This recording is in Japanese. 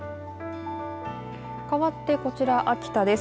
かわって、こちら秋田です。